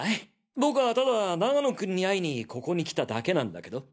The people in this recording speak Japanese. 僕はただ永野君に会いにここに来ただけなんだけど？